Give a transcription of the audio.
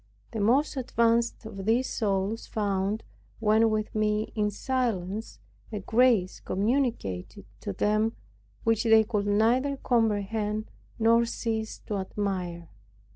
The most advanced of these souls found, when with me, in silence, a grace communicated to them which they could neither comprehend, nor cease to admire.